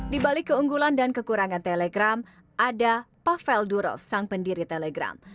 di balik keunggulan dan kekurangan telegram ada pavel durov sang pendiri telegram